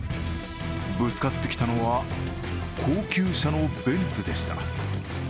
ぶつかってきたのは高級車のベンツでした。